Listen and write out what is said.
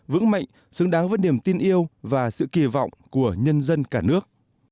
vững mạnh xứng đáng với niềm tin yêu và sự kỳ vọng của nhân dân cả nước